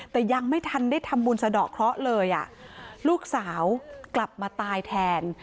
แต่ยังไม่ทันได้ทำบุญสะดอกเคราะห์เลยอ่ะลูกสาวกลับมาตายแทน